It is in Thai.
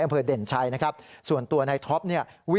เด่นชัยนะครับส่วนตัวนายท็อปเนี่ย